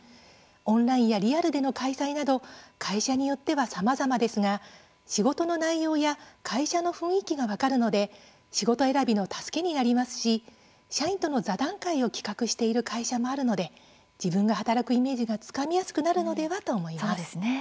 オンラインやリアルでの開催など会社によっては、さまざまですが仕事の内容や会社の雰囲気が分かるので仕事選びの助けになりますし社員との座談会を企画している会社もあるので自分が働くイメージがつかみやすくのではと思います。